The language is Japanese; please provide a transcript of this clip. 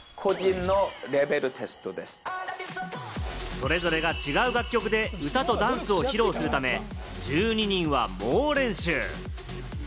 それぞれが違う楽曲で歌とダンスを披露するため、１２人は猛練習。